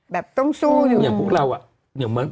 แบบต้องสู้อยู่